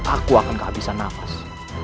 aku akan kehabisan nafas